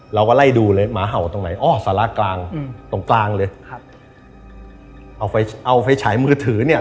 เราก็ไล่ดูเลยหมาเห่าตรงไหนโอ้สาล่ากลางตรงกลางเลยเอาไฟฉายมือถือเนี่ย